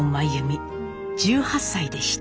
１８歳でした。